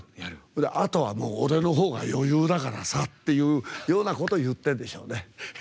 あとは、俺のほうが余裕だからさっていうようなこと言ってるんでしょうね。